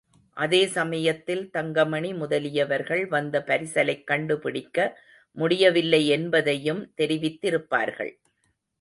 அதே சமயத்தில் தங்கமணி முதலியவர்கள், வந்த பரிசலைக் கண்டுபிடிக்க முடியவில்லை என்பதையும் தெரிவித்திருப்பார்கள்.